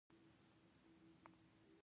آیا دوی نه غواړي نور هم ښه شي؟